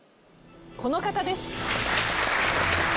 この方です。